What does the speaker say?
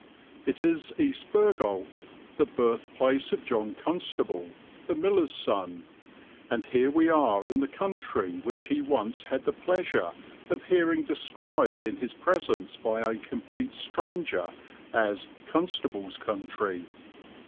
It is East Bergholt, the birthplace of John Constable, the miller's son, and here we are in the country which he once had the pleasure of hearing described in his presence by a complete stranger as "Constable's country."